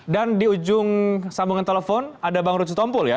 dan di ujung sambungan telepon ada bang rujutompul ya